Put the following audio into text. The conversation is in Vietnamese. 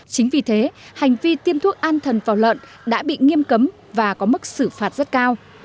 chính vì thế hành vi tiêm thuốc an thần vào lợn đã bị nghiêm cấm và có mức xử phạt rất cao